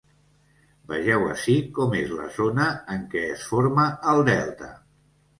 Vegeu ací com és la zona en què es forma el delta.